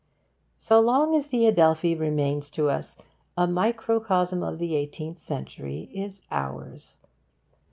So long as the Adelphi remains to us, a microcosm of the eighteenth century is ours.